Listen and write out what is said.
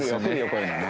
こういうのね。